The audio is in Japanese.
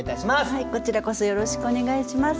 はいこちらこそよろしくお願いします。